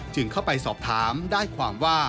เข้าไปสอบถามได้ความว่า